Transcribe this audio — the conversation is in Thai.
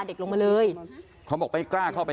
เพื่อนบ้านเจ้าหน้าที่อำรวจกู้ภัย